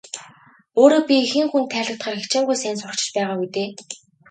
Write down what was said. Өөрөө би хэн хүнд хайрлагдахаар хичээнгүй сайн сурагч ч байгаагүй дээ.